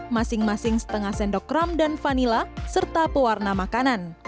masing masing setengah sendok ram dan vanila serta pewarna makanan